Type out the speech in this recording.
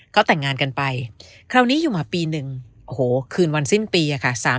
เขาแต่งงานกันไปคราวนี้อยู่มาปีหนึ่งโอ้โหคืนวันสิ้นปีอะค่ะ